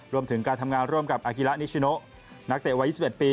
รวมถึงการทำงานร่วมกับอากิระนิชิโนนักเตะวัย๒๑ปี